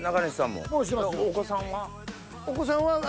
お子さんは。